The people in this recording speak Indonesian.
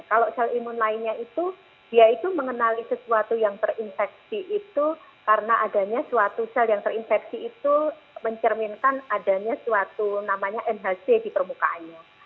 kalau sel imun lainnya itu dia itu mengenali sesuatu yang terinfeksi itu karena adanya suatu sel yang terinfeksi itu mencerminkan adanya suatu namanya nhc di permukaannya